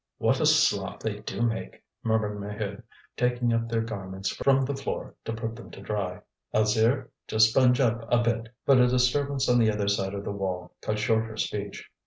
"What a slop they do make!" murmured Maheude, taking up their garments from the floor to put them to dry. "Alzire, just sponge up a bit." But a disturbance on the other side of the wall cut short her speech.